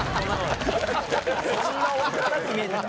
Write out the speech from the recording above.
そんなおっかなく見えてた？